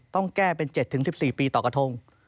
ต้องแก้เป็น๗๑๔ปีต่อกระทง